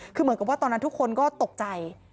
คือเหมือนกับว่าตอนนั้นทุกคนก็ตกใจ